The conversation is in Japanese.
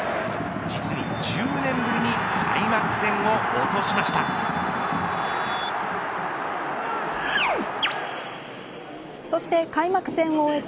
実に１０年ぶりに開幕戦を落としました。